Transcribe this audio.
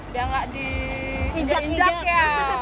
biar nggak diinjak injak ya